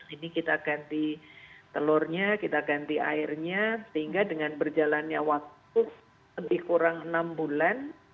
ini kita ganti telurnya kita ganti airnya sehingga dengan berjalannya waktu lebih kurang enam bulan